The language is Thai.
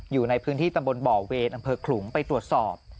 อยู่ในพื้นที่ตำบลบ่อเวรอำเภอขลุงไปตรวจสอบ